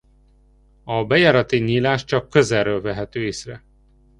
A bejárati nyílás csak közelről vehető észre.